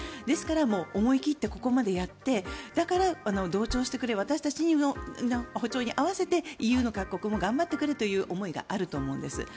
ですから思い切ってここまでやってだから同調してくれ私たちの歩調に合わせてＥＵの各国も頑張ってくれという思いがあると思うんです。